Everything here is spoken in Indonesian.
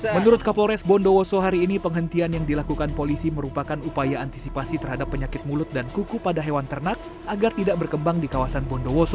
menurut kapolres bondowoso hari ini penghentian yang dilakukan polisi merupakan upaya antisipasi terhadap penyakit mulut dan kuku pada hewan ternak agar tidak berkembang di kawasan bondowoso